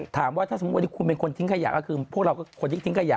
ถามว่าถ้าสมมุติวันนี้คุณเป็นคนทิ้งขยะก็คือพวกเราก็คนที่ทิ้งขยะ